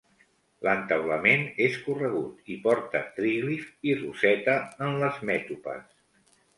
L'entaulament és corregut i porta tríglif i roseta en les mètopes.